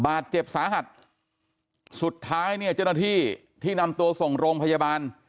บาดเจ็บสาหัสสุดท้ายเนี่ยเจ้าหน้าที่ที่นำตัวส่งโรงพยาบาล